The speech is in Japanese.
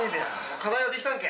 課題はできたんけ？